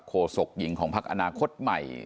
โศกหญิงของพักอนาคตใหม่